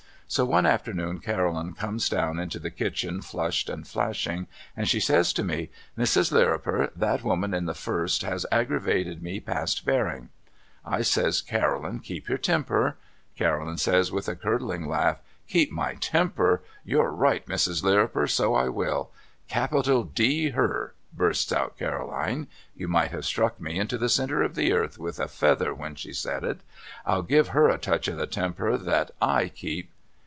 So one afternoon Caroline comes down into the kitchen flushed and flashing, and she says to me ' Mrs. Lirriper that woman in the first has aggravated me past bearing,' I says ' Caroline keep your temper,' Caroline says with a curdling laugh ' Keep my temper ? You're right Mrs. Lirriper, so I will. Capital D her !' bursts out Caroline (you might have struck me into the centre of the earth with a feather when she said it) ' I'll give her a touch of the temper that / keep